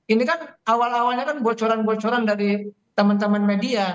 ini kan awal awalnya kan bocoran bocoran dari teman teman media